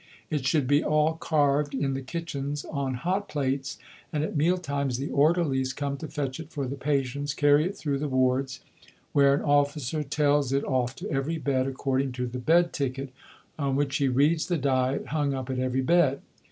It should be all carved in the kitchens on hot plates, and at meal times the Orderlies come to fetch it for the patients carry it through the wards, where an Officer tells it off to every bed, according to the Bed ticket, on which he reads the Diet, hung up at every bed.